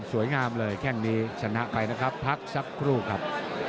สวยงามเลยแค่งนี้ชนะไปนะครับพักสักครู่ครับ